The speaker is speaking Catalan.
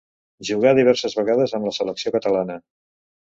Jugà diverses vegades amb la selecció catalana.